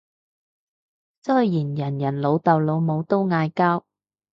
雖然人人老豆老母都嗌交